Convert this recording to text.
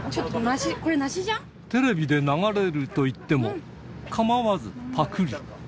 テレビで流れるといっても、かまわずぱくり。